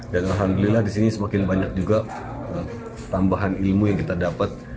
dan alhamdulillah di sini semakin banyak juga tambahan ilmu yang kita dapat